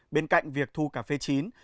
bên cạnh việc thu cà phê chín